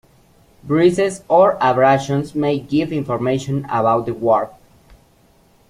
Bruises or abrasions may give information about the guard.